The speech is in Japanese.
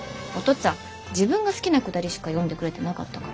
っつぁん自分が好きなくだりしか読んでくれてなかったから。